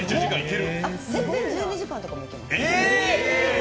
全然１２時間とかもいけます。